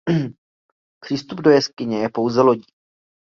Přístup do jeskyně je pouze lodí.